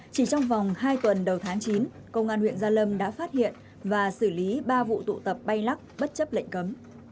chỉ trong vòng hai tuần đầu tháng chín công an huyện gia lâm đã phát hiện và xử lý ba vụ tụ tập bay lắc bất chấp lệnh cấm